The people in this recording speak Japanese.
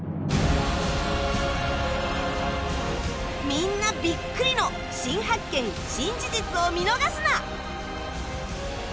みんなビックリの新発見・新事実を見逃すな！